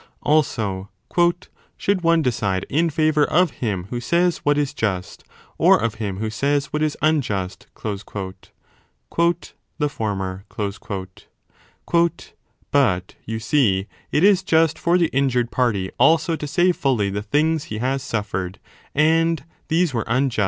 Also, should one decide in favour of him who says what is just, or of him who says what is unjust ? 3 The former. But, you see, it is just for the injured party also to say fully the things he has suffered ; and these were unjust.